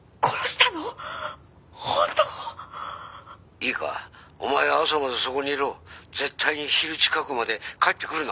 「いいかお前は朝までそこにいろ」「絶対に昼近くまで帰ってくるな」